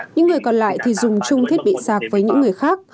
những người còn lại thì dùng chung thiết bị sạc với những người khác